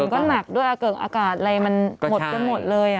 ก็หนักด้วยอาเกิกอากาศอะไรมันหมดกันหมดเลย